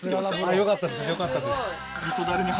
よかったです。